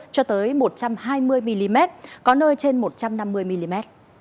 cho tới một trăm hai mươi mm có nơi trên một trăm năm mươi mm